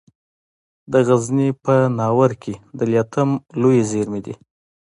د غزني په ناوور کې د لیتیم لویې زیرمې دي.